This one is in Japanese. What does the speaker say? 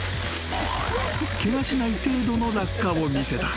［ケガしない程度の落下を見せた］